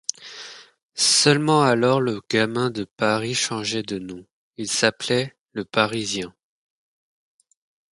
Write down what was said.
Seulement alors le gamin de Paris changeait de nom, il s’appelait le Parisien.